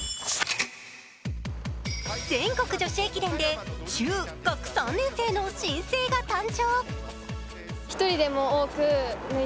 全国女子駅伝で中学３年生の新星が誕生。